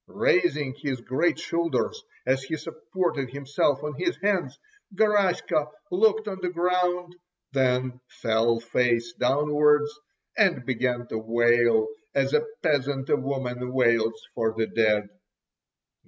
Raising his great shoulders, as he supported himself on his hands, Garaska looked on the ground, then fell face downwards, and began to wail, as a peasant woman wails for the dead.